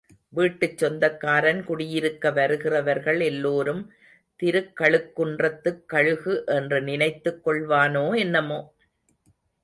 வீட்டுச் சொந்தக்காரன் குடியிருக்க வருகிறவர்கள் எல்லோரும் திருக்கழுக்குன்றத்துக் கழுகு என்று நினைத்துக் கொள்வானோ என்னமோ?